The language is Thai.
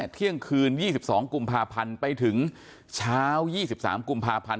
เที่ยงคืน๒๒กุมภาพันธ์ไปถึงเช้า๒๓กุมภาพันธ์